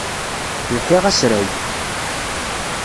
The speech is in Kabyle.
Lḥiɣ asrag.